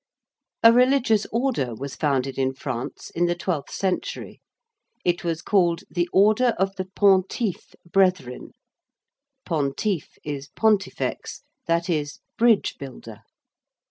A religious order was founded in France in the twelfth century: it was called the Order of the 'Pontife' Brethren Pontife is Pontifex that is Bridge Builder.